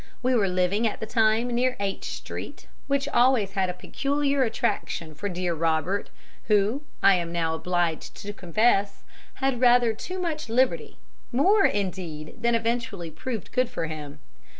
We were living at the time near H Street, which always had a peculiar attraction for dear Robert, who, I am now obliged to confess, had rather too much liberty more, indeed, than eventually proved good for him.